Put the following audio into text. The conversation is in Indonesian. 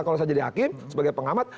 kalau saya jadi hakim sebagai pengamat